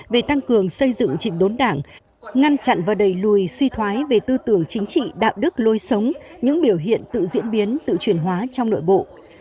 về tăng cường xây dựng trịnh đốn đảng ngăn chặn và đẩy lùi suy thoái về tư tưởng chính trị đạo đức lôi sống những biểu hiện tự diễn biến tự truyền hóa trong nội bộ